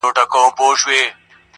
اوس درواخلئ ساړه سیوري جنتونه-